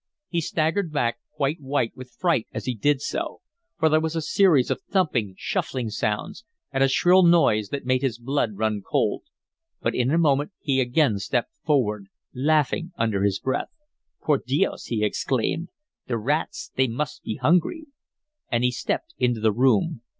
He staggered back quite white with fright as he did so. For there was a series of thumping, shuffling sounds, and a shrill noise that made his blood run cold. But in a moment he again stepped forward, laughing under his breath. "Por dios!" he exclaimed. "The rats! They must be hungry!" And he stepped into the room.